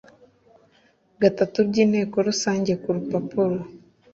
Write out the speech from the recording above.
gatatu by inteko rusange ku rupapuro